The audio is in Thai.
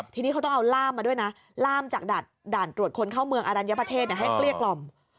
ทีนี้เขาต้องเอาล่ามมาด้วยนะล่ามจากด่านตรวจคนเข้าเมืองอรัญญประเทศให้เกลี้ยกล่อม